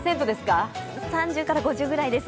３％から５０％ぐらいです。